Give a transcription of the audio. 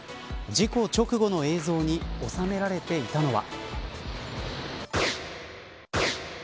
事故直後の映像に収められていたのは。